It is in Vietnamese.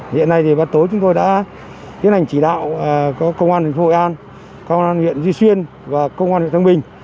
hiện nay thì ban tối chúng tôi đã tiến hành chỉ đạo có công an thành phố hội an công an huyện duy xuyên và công an huyện thăng bình